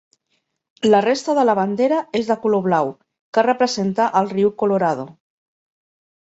La resta de la bandera és de color blau, que representa el riu Colorado.